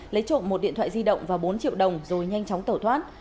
lấy trộm một điện thoại di động và bốn triệu đồng rồi nhanh chóng tẩu thoát